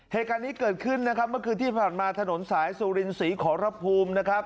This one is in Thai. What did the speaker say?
เหตุการณ์นี้เกิดขึ้นนะครับเมื่อคืนที่ผ่านมาถนนสายสุรินศรีขอรภูมินะครับ